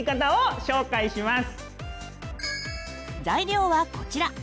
材料はこちら。